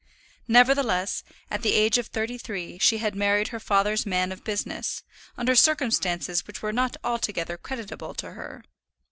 Nevertheless, at the age of thirty three she had married her father's man of business, under circumstances which were not altogether creditable to her.